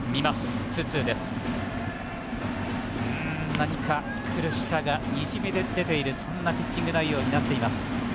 何か苦しさがにじみ出ているそんなピッチング内容になっています。